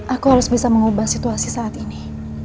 aku harus bisa mengubah situasi saat ini